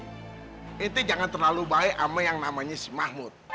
nanti jangan terlalu baik sama yang namanya si mahmud